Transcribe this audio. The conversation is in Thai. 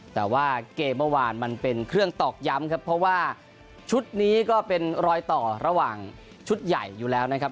แต่ว่าเกมเมื่อวานมันเป็นเครื่องตอกย้ำครับเพราะว่าชุดนี้ก็เป็นรอยต่อระหว่างชุดใหญ่อยู่แล้วนะครับ